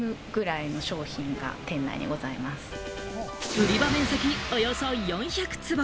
売り場面積およそ４００坪。